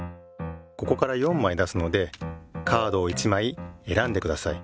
ここから４まい出すのでカードを１まいえらんでください。